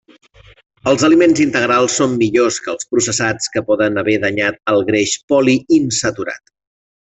Els aliments integrals són millors que els processats que poden haver danyat el greix poliinsaturat.